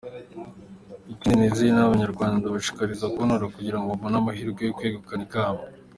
Ikindi nizeye ni Abanyarwanda, ndabashishikariza kuntora kugira ngo mbone amahirwe yo kwegukana ikamba.